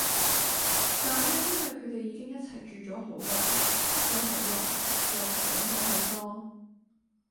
但呢因為佢哋已經一齊住咗好耐，識咗好耐，又成長咗好多